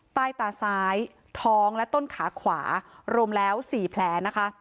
ใต้ตาซ้ายท้องและต้นขาขวารวมแล้ว๔แผลนะคะ